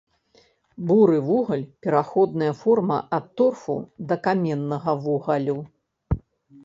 Буры вугаль, пераходная форма ад торфу да каменнага вугалю.